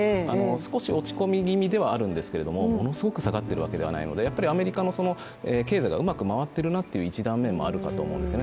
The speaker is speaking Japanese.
少し落ち込み気味ではあるんですけどものすごく下がっているわけではないのでやっぱりアメリカの経済がうまく回っているなという一段目もあるのかなと思いますね。